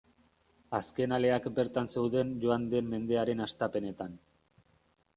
Azken aleak bertan zeuden joan den mendearen hastapenetan.